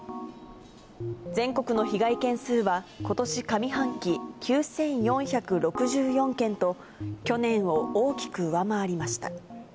全国の被害件数は、ことし上半期、９４６４件と、去年を大きく上回りました。